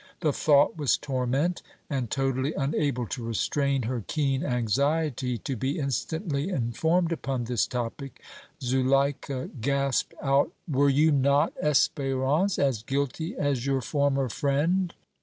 The thought was torment, and totally unable to restrain her keen anxiety to be instantly informed upon this topic, Zuleika gasped out: "Were you not, Espérance, as guilty as your former friend?"